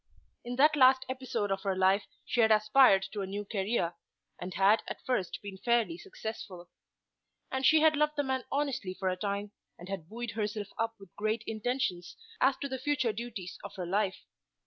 In that last episode of her life she had aspired to a new career, and had at first been fairly successful. And she had loved the man honestly for a time, and had buoyed herself up with great intentions as to the future duties of her life.